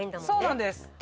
そうなんです。